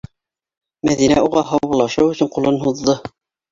Мәҙинә уға һаубуллашыу өсөн ҡулын һуҙҙы: